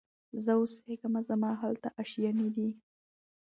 زه اوسېږمه زما هلته آشیانې دي